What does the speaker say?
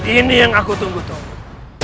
ini yang aku tunggu tunggu